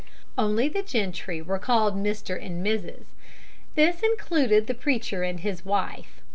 ] Only the gentry were called Mr. and Mrs. This included the preacher and his wife.